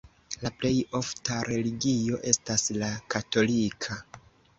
La plej ofta religio estas la katolika.